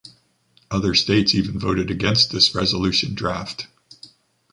Other states even voted against this resolution draft.